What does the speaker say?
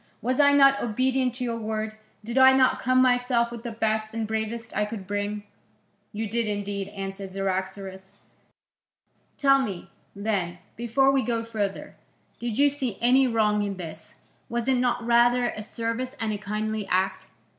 Was I not obedient to your word? Did I not come myself with the best and bravest I could bring?" "You did indeed," answered Cyaxares. "Tell me, then, before we go further, did you see any wrong in this? Was it not rather a service and a kindly act?"